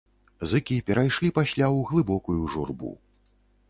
Зыкі перайшлі пасля ў глыбокую журбу.